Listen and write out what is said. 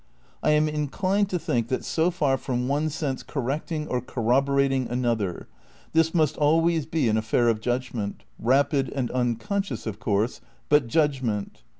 I am inclined to think that so far from one sense correcting or corroborating another, this must always be an affair of judgment— rapid and un conscious, of course, but judgment.